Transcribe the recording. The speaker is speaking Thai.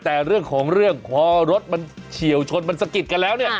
แต่เรื่องของเรื่องพอรถมันเฉียวชนมันสะกิดกันแล้วเนี่ย